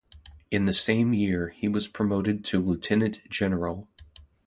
In the same year he was promoted to lieutenant general.